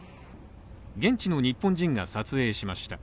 現地の日本人が撮影しました。